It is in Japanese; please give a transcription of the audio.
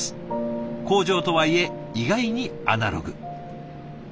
工場とはいえ意外にアナログ。